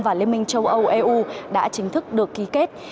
và liên minh châu âu eu đã chính thức được ký kết